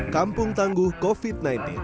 kampung tangguh covid sembilan belas